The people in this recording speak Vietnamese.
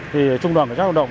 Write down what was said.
thì trung đoàn xác động